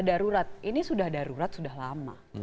darurat ini sudah darurat sudah lama